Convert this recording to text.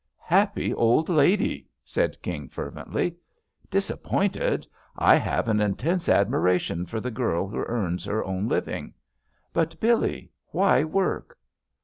"Happy old lady!" said Ki'*^ fervently. Disappointed? I have an intense admiration for the girl who earns her own living. But, Billee, why work?"